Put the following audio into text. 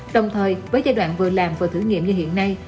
đồng thời với giai đoạn vừa làm vừa thử nghiệm như hiện nay